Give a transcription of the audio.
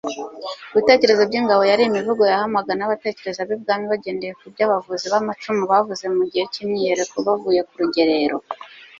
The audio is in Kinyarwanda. ibitekerezo by'ingabo yari imivugo yahamaga n'abatekereza b'i bwami bagendeye ku byo abavuzi b'amacumu bavuze mugihe cy'imyiyereko bavuye ku rugerero